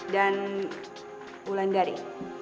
dan wulan dari